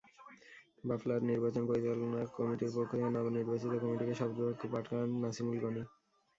বাফলার নির্বাচন পরিচালনা কমিটির পক্ষ থেকে নবনির্বাচিত কমিটিকে শপথবাক্য পাঠ করান নাসিমুল গণি।